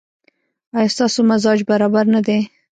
ایا ستاسو مزاج برابر نه دی؟